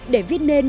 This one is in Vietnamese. để viết lên